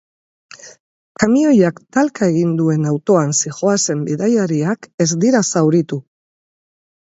Kamioiak talka egin duen autoan zihoazen bidaiariak ez dira zauritu.